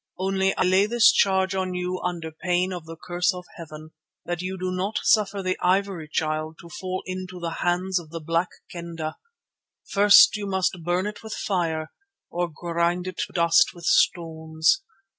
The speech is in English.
Only I lay this charge on you under pain of the curse of Heaven, that you do not suffer the Ivory Child to fall into the hands of the Black Kendah. First must you burn it with fire or grind it to dust with stones.